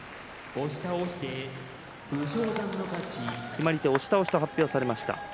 決まり手押し倒しと発表されました。